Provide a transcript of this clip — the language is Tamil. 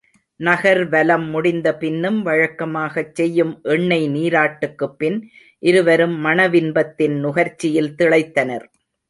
நகர்வலம் முடிந்த பின்னும் வழக்கமாகச் செய்யும் எண்ணெய் நீராட்டுக்குப்பின் இருவரும் மணவின்பத்தின் நுகர்ச்சியில் திளைத்தனர்.